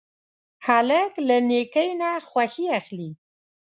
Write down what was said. هلک له نیکۍ نه خوښي اخلي.